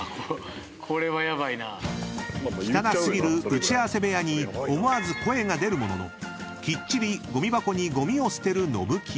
［汚過ぎる打ち合わせ部屋に思わず声が出るもののきっちりゴミ箱にゴミを捨てるのぶきよ］